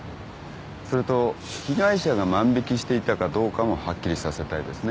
それと被害者が万引していたかどうかもはっきりさせたいですね。